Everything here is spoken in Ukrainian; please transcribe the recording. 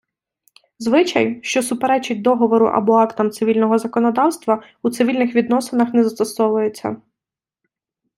Звичай, що суперечить договору або актам цивільного законодавства, у цивільних відносинах не застосовується.